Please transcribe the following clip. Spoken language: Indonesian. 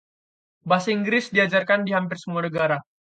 Bahasa Inggris diajarkan di hampir semua negara.